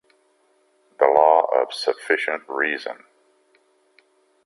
The law of sufficient reason.